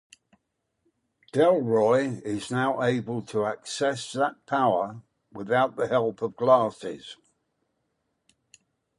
Delroy is now able to access that power without the help of the glasses.